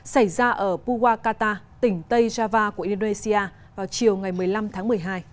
xảy ra ở puwakata tỉnh tây java của indonesia vào chiều ngày một mươi năm tháng một mươi hai